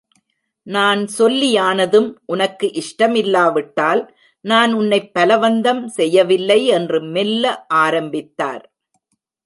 நான் சொல்லியானதும், உனக்கு இஷ்டமில்லாவிட்டால், நான் உன்னைப் பலவந்தம் செய்யவில்லை என்று மெல்ல ஆரம்பித்தார்.